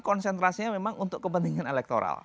konsentrasinya memang untuk kepentingan elektoral